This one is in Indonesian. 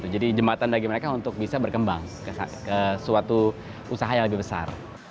jadi jembatan bagi mereka untuk bisa berkembang ke suatu usaha yang lebih besar